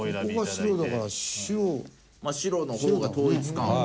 白の方が統一感は。